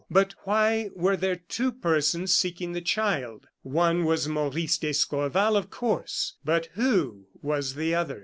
But why were there two persons seeking the child? One was Maurice d'Escorval, of course, but who was the other?